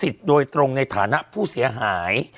โดยตรงในฐานะผู้เสียหาย